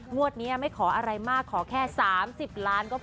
งวดนี้ไม่ขออะไรมากขอแค่๓๐ล้านก็พอ